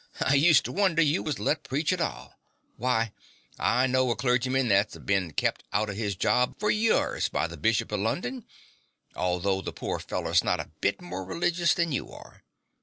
I hused to wonder you was let preach at all. Why, I know a clorgyman that 'as bin kep' hout of his job for yorrs by the Bishop of London, although the pore feller's not a bit more religious than you are.